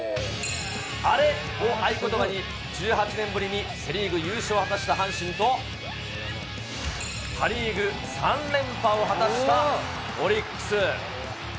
アレを合言葉に１８年ぶりにセ・リーグ優勝を果たした阪神と、パ・リーグ３連覇を果たしたオリックス。